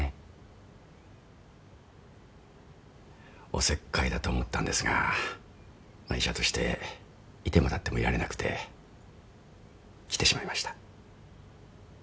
おせっかいだと思ったんですが医者として居ても立ってもいられなくて来てしまいました。